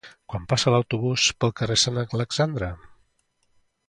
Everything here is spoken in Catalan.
Quan passa l'autobús pel carrer Sant Alexandre?